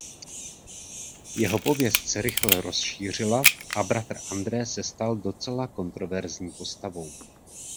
Jeho pověst se rychle rozšířila a bratr André se stal docela kontroverzní postavou.